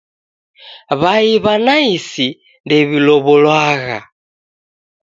W'ai w'a naisi ndew'ilow'olwagha